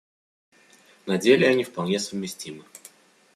На деле они вполне совместимы.